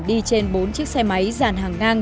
đi trên bốn chiếc xe máy dàn hàng ngang